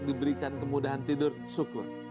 diberikan kemudahan tidur syukur